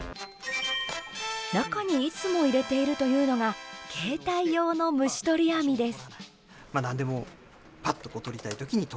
中にいつも入れているというのが携帯用の虫とり網です。